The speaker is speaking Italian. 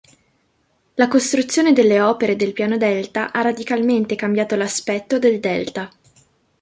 La costruzione delle opere del Piano Delta ha radicalmente cambiato l'aspetto del delta.